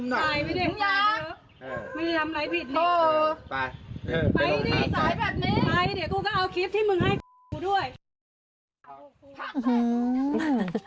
ไปเดี๋ยวก็เอาคลิปที่มึงให้๒๐๒๒กูด้วย